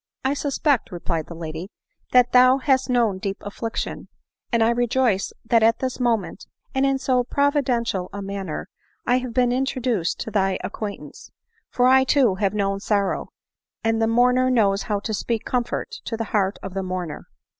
" I suspect," replied the lady, " that thou hast known deep affliction ; and I rejoice that at .this moment, and in so providential a manner, I have been introduced to thy 292 ADELINE MOWBRAY. acquaintance ;— for I too have known . sorrow, and the mourner knows how to speak comfort to the heart of the mourner.